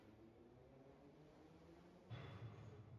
ina saidi inakuchangia zaidi mtu azeeke kabla ya umri wake